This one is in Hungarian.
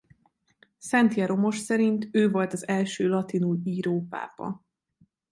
Szent Jeromos szerint ő volt az első latinul író pápa.